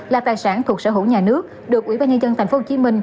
là tài sản thuộc sở hữu nhà nước được ủy ban nhân dân tp hcm